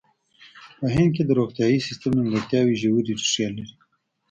په هند کې د روغتیايي سیستم نیمګړتیا ژورې ریښې لري.